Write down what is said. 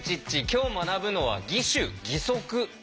今日学ぶのは義手義足です。